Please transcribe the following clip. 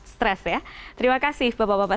stres ya terima kasih bapak bapak